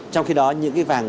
trong khi đó những cái vàng